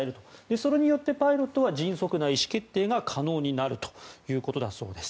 それによってパイロットは迅速な意思決定が可能になるということだそうです。